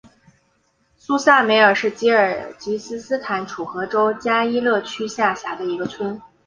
苏萨梅尔是吉尔吉斯斯坦楚河州加依勒区下辖的一个村。